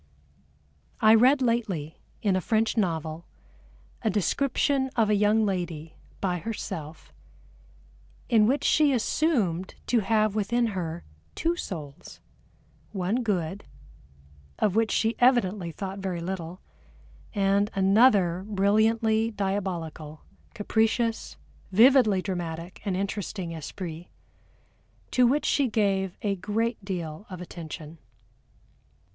I read lately, in a French novel, a description of a young lady, by herself, in which she assumed to have within her two souls, one good, of which she evidently thought very little, and another brilliantly diabolical, capricious, vividly dramatic and interesting esprit to which she gave a great deal of attention.